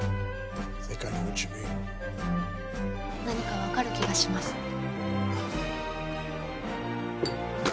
「何かわかる気がします」。